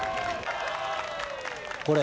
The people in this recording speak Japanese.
これ。